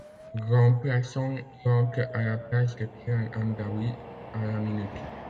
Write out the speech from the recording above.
Remplaçant, il entre à la place de Kylan Hamdaoui à la minute.